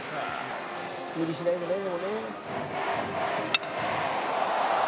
「無理しないでねでもね」